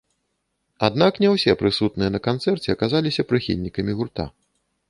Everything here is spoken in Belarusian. Аднак, не ўсе прысутныя на канцэрце аказаліся прыхільнікамі гурта.